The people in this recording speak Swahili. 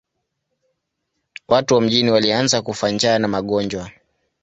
Watu wa mjini walianza kufa njaa na magonjwa.